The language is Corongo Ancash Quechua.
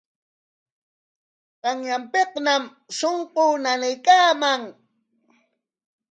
Qanyanpikñam shunquu nanaykaaman.